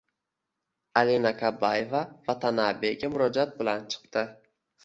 Alina Kabayeva Vatanabega murojaat bilan chiqdi